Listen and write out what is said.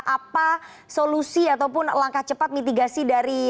apa solusi ataupun langkah cepat mitigasi dari